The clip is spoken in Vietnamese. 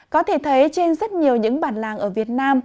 có thể thấy trên rất nhiều những bản làng ở việt nam